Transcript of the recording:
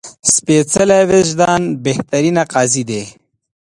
سپېڅلی وجدان بهترین قاضي ده